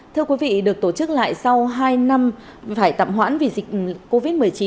thưa quý vị được tổ chức lại sau hai năm phải tạm hoãn vì dịch covid một mươi chín